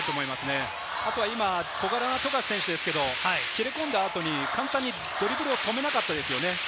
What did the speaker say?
あとは小柄な富樫選手ですが、切れ込んだ後に簡単にドリブルを止めなかったですね。